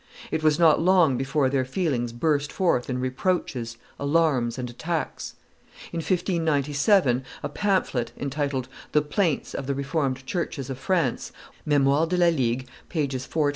It was not long before their feelings burst forth in reproaches, alarms, and attacks. In 1597, a pamphlet, entitled The Plaints of the Reformed Churches of France [Memoires de la Ligue, t.